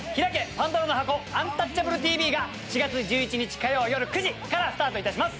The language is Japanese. パンドラの箱アンタッチャブるＴＶ」が４月１１日火曜夜９時からスタ―トいたします。